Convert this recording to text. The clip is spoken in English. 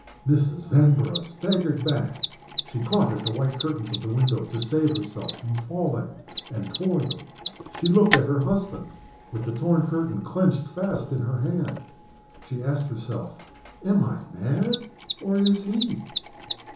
Mrs. Vanborough staggered back. She caught at the white curtains of the window to save herself from falling, and tore them. She looked at her husband, with the torn curtain clenched fast in her hand. She asked herself, "Am I mad? or is he?"